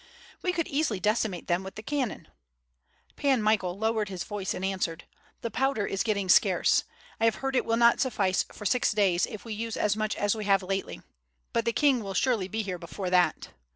"We could easily decimate them with the cannon." Pan Michael lowered his voice and answered: "The powder is getting scarce. I have heard it will not suffice for six days if we use as much as we have lately. But the king will surely be here before that."